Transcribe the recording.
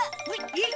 えっ？